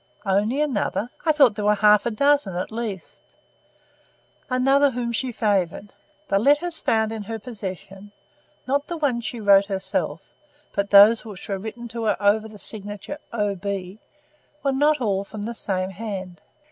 "Only another? I thought there were a half dozen, at least." "Another whom she favoured. The letters found in her possession not the ones she wrote herself, but those which were written to her over the signature O. B. were not all from the same hand.